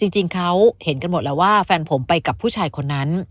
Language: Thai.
จริงเขาเห็นกันหมดแล้วว่าแฟนผมไปกับผู้ชายคนนั้น